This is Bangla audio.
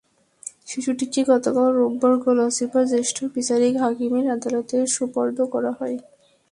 শিশুটিকে গতকাল রোববার গলাচিপা জ্যেষ্ঠ বিচারিক হাকিমের আদালতে সোপর্দ করা হয়।